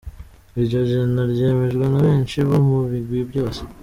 Iryo gena ryemejwe na benshi bo mu migwi yose.